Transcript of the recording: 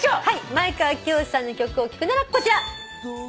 前川清さんの曲を聴くならこちら。